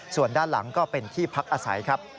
ส่วนด้านหลังก็เป็นที่พักอาศัยครับ